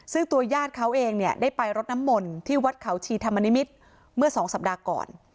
ซึ่งตัวญาติเขาเองเนี่ยได้ไปรดน้ำมนต์ที่วัดเขาชีธรรมนิมิตรเมื่อสองสัปดาห์ก่อน